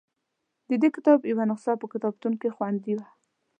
د دې کتاب یوه نسخه په کتابتون کې خوندي وه.